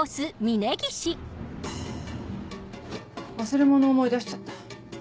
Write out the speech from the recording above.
忘れ物思い出しちゃった。